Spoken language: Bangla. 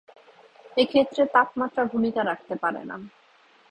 এক্ষেত্রে তাপমাত্রা ভূমিকা রাখতে পারে না।